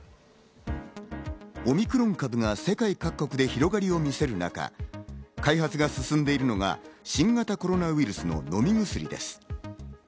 オミクロン株が世界各国で広がりを見せる中、開発が進んでいるのが新型コロナウイルスの飲み薬です。